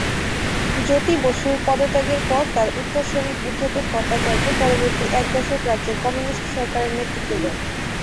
জ্যোতি বসুর পদত্যাগের পর তার উত্তরসূরি বুদ্ধদেব ভট্টাচার্য পরবর্তী এক দশক রাজ্যের কমিউনিস্ট সরকারের নেতৃত্ব দেন।